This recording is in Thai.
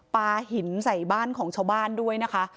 ปลาหินใส่บ้านของชาวบ้านด้วยนะคะ